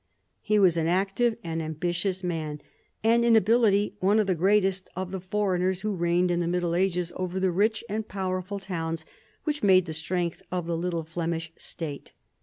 He was an active and ambitious man, and in ability one of the greatest of the foreigners who reigned in the Middle Ages over the rich and powerful towns which made the strength of the little Flemish state.